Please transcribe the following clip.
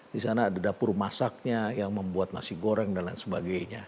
di sana ada dapur masaknya yang membuat nasi goreng dan lain sebagainya